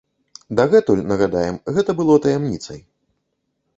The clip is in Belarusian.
Дагэтуль, нагадаем, гэта было таямніцай.